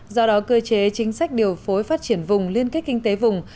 do đó cơ chế chính sách điều phối phát triển vùng liên kết kinh tế vùng